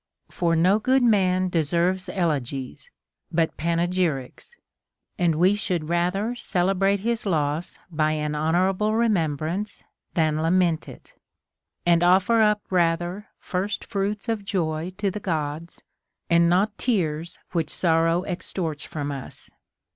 For no good man deserves elegies, but panegyrics ; and Λνβ should rather celebrate his loss by an honorable remem brance, than lament it ; and offer up rather first fruits of joy to the Gods, and not tears which sorrow extorts from us.